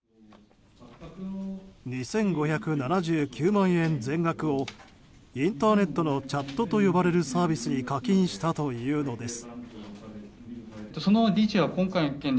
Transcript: ２５７９万円全額をインターネットのチャットと呼ばれるサービスに課金したというのです。